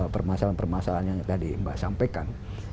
permasalahan permasalahan yang tadi mbak sampaikan